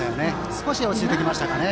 少し落ち着いてきましたかね。